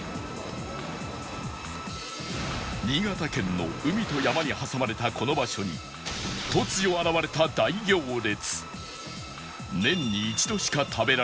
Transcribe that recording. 新潟県の海と山に挟まれたこの場所に突如現れた大行列